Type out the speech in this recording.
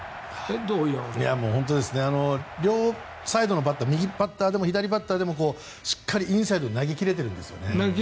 両サイドのバッター右バッターでも左バッターでもインサイドに投げ切れてるんです。